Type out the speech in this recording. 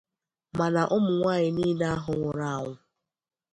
mana ụmụnwaanyị niile ahụ nwụrụ anwụ